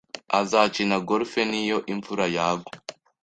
Azakina golf niyo imvura yagwa.